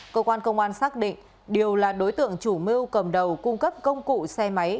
cơ quan công an xác định điều là đối tượng chủ mưu cầm đầu cung cấp công cụ xe máy